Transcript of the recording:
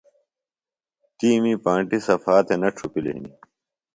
تی می پانٹیۡ صفا تھےۡ نہ ڇھوپِلیۡ ہِنیۡ۔